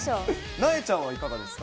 なえちゃんはいかがですか？